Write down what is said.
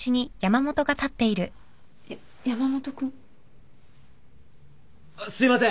やっ山本君。あっすいません。